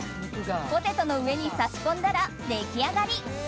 ポテトの上にさし込んだら出来上がり。